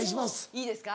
いいですか。